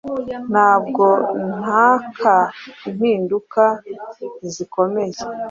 Ntabwo nhaka impinduka zikomeye